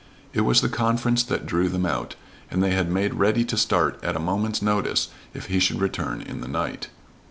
It was the conference that drew them out, and they had made ready to start at a moment's notice if he should return in the night.